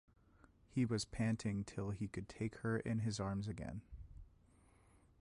He was panting till he could take her in his arms again.